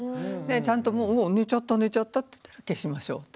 ちゃんともう寝ちゃった寝ちゃったっていったら消しましょうと。